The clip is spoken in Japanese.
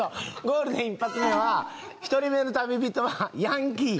ゴールデン一発目は１人目の旅人はヤンキー？